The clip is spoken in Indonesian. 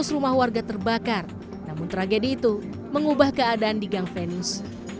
seratus rumah warga terbakar namun tragedi itu mengubah keadaan di gang venus